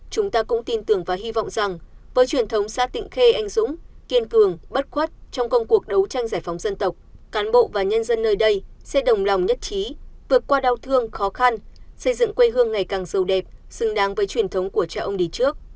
chúng ta cũng tin tưởng và hy vọng rằng với truyền thống xã tịnh khê anh dũng kiên cường bất khuất trong công cuộc đấu tranh giải phóng dân tộc cán bộ và nhân dân nơi đây sẽ đồng lòng nhất trí vượt qua đau thương khó khăn xây dựng quê hương ngày càng sâu đẹp xứng đáng với truyền thống của cha ông đi trước